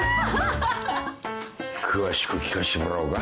詳しく聞かしてもらおうか？